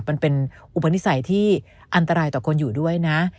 มันเป็นอุปนิสัยที่อันตรายต่อคนอยู่ด้วยนะ